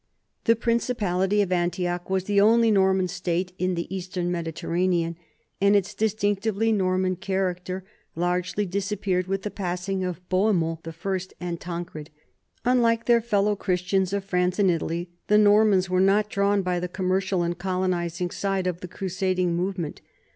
The principality of Antioch was the only Norman state in the eastern Mediterranean, and its distinctively Norman character largely disappeared with the passing of Bohemond I and TanrrpH JTrjike their fellow Christians of France and Italy, the Nor mans were not drawn by the commercial and colonizing sideofjjie crusacTTt^'g niovement.